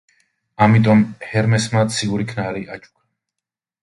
ამიტომ ჰერმესმა ციური ქნარი აჩუქა.